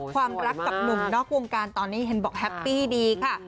ความรักกับหนุ่มนอกวงการตอนนี้เห็นบอกแฮปปี้ดีค่ะ